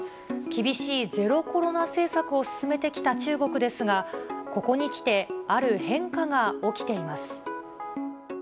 厳しいゼロコロナ政策を進めてきた中国ですが、ここに来て、ある変化が起きています。